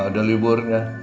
gak ada liburannya